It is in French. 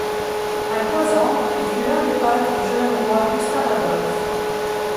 À quinze ans, il fut l'un des pages du jeune roi Gustave-Adolphe.